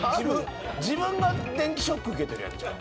自分が電気ショック受けてるやん。